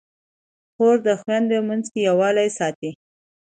خور د خویندو منځ کې یووالی ساتي.